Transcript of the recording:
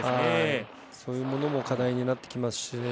そういうものも課題になってきますし。